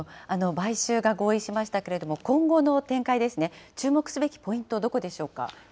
買収が合意しましたけれども、今後の展開ですね、注目すべきポイント、どこでしょうか。